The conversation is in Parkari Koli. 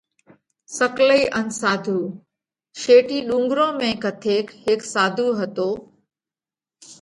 سڪلئي ان ساڌُو: شيٽِي ڏُونڳرون ۾ ڪٿيڪ هيڪ ساڌُو هتو۔